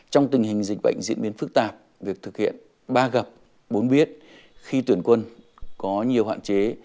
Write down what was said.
trong tình hình dịch bệnh diễn biến phức tạp việc thực hiện ba g bốn biết khi tuyển quân có nhiều hạn chế